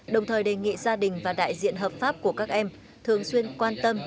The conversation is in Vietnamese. đồng thời đề nghị gia đình và đại diện hợp pháp của các em thường xuyên quan tâm